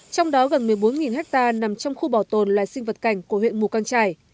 trong đó gần một mươi bốn hectare nằm trong khu bảo tồn loài sinh vật cảnh của huyện mù căng trải